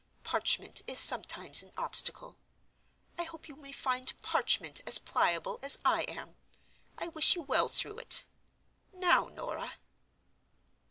Parchment is sometimes an obstacle. I hope you may find Parchment as pliable as I am—I wish you well through it. Now, Norah!"